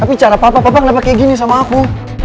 tapi cara papa papa kenapa kayak gini sama aku